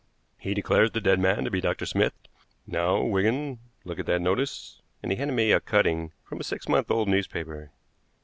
He declares the dead man to be Dr. Smith. Now, Wigan, look at that notice," and he handed me a cutting from a six months old newspaper.